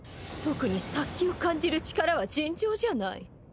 特に殺気を感じる力は尋常じゃない